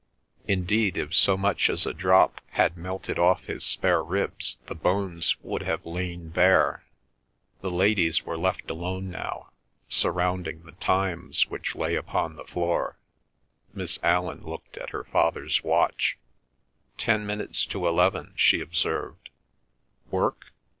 Indeed, if so much as a drop had melted off his spare ribs, the bones would have lain bare. The ladies were left alone now, surrounding The Times which lay upon the floor. Miss Allan looked at her father's watch. "Ten minutes to eleven," she observed. "Work?"